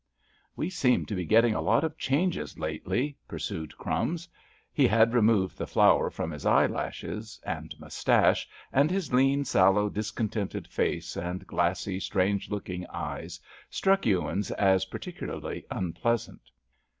"We seem to be getting a lot of changes lately," pursued "Crumbs." He had removed the flour from his eyelashes and moustache, and his lean, sallow, discontented face and glassy, strange looking eyes struck Ewins as particularly unpleasant.